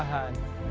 padat hingga kumuh